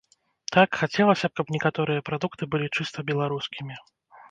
Так, хацелася б, каб некаторыя прадукты былі чыста беларускімі.